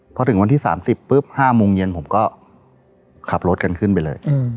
พอถึงวันที่๓๐ปุ๊บ๕โมงเย็นผมก็ขับรถกันขึ้นไปเลย